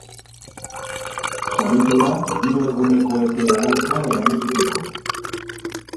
Sarituak hiru eguneko epea dauka erantzuteko.